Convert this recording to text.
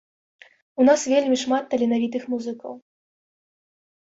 У нас вельмі шмат таленавітых музыкаў.